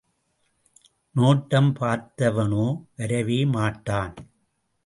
நோட்டம் பார்த்தவனோ வரவே மாட்டான்.